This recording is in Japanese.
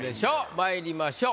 まいりましょう。